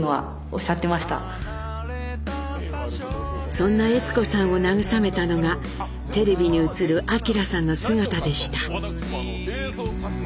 そんな悦子さんを慰めたのがテレビに映る明さんの姿でした。